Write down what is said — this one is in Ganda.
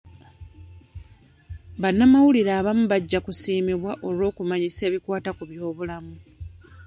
Bannamawulire abamu bajja kusiimibwa olw'okumanyisa ebikwata ku by'obulamu.